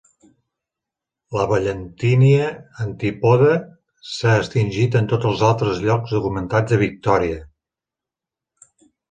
La "Ballantinia antipoda" s'ha extingit en tots els altres llocs documentats a Victoria.